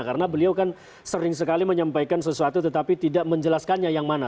karena beliau kan sering sekali menyampaikan sesuatu tetapi tidak menjelaskannya yang mana